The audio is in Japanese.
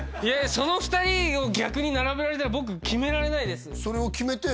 その２人を逆に並べられたら僕決められないです